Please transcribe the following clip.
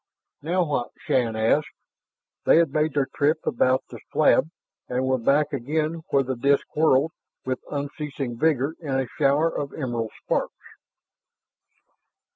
"Now what?" Shann asked. They had made their trip about the slab and were back again where the disk whirled with unceasing vigor in a shower of emerald sparks.